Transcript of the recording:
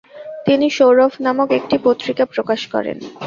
তিনি সৌরভ নামক একটি পত্রিকা প্রকাশ করেন।